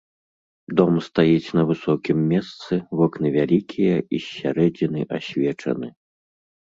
Дом стаіць на высокім месцы, вокны вялікія і з сярэдзіны асвечаны.